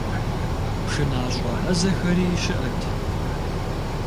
ПшынащӀэ Ӏэзэхэри щыӀэт.